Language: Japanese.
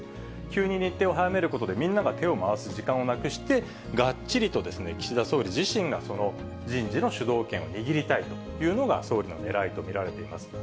急に日程を早めることで、みんなが手を回す時間をなくして、がっちりと岸田総理自身が、その人事の主導権を握りたいというのが、総理のねらいと見られています。